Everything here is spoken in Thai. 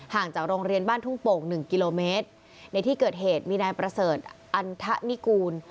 จากโรงเรียนบ้านทุ่งโป่งหนึ่งกิโลเมตรในที่เกิดเหตุมีนายประเสริฐอันทะนิกูล